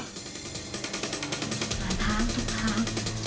หมดทางทุกทาง